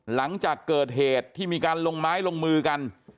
หลังจากเกิดเหตุที่มีการลงไม้ลงมือกัน